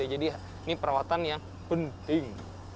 jadi ini perawatan yang penting